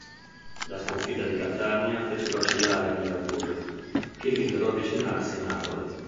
La sconfitta di Catania fece vacillare i nerazzurri, che videro avvicinarsi il Napoli.